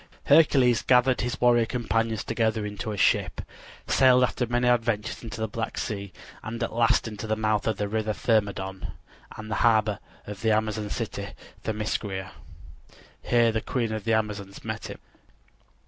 Hercules gathered his warrior companions together into a ship, sailed after many adventures into the Black Sea and at last into the mouth of the river Thermodon, and the harbor of the Amazon city Themiscira. Here the queen of the Amazons met him.